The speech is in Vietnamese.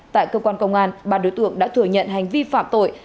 tại cơ quan công an ba đối tượng đã thừa nhận hành vi phạm tội